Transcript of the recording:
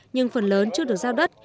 nhưng phần lớn chưa được giao đất